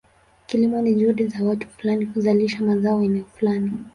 Kilimo ni juhudi za watu fulani kuzalisha mazao eneo fulani.